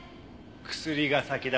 薬が先だ。